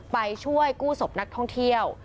ไปช่วยกู้ศพนักท่องเที่ยว